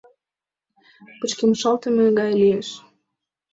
Пычкемышалтме гай лиеш.